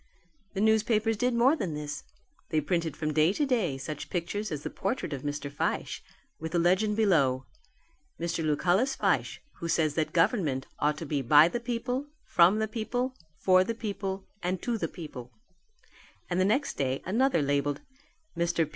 The newspapers did more than this. They printed from day to day such pictures as the portrait of Mr. Fyshe with the legend below, "Mr. Lucullus Fyshe, who says that government ought to be by the people, from the people, for the people and to the people"; and the next day another labelled. "Mr.